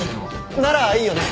ならいいよね？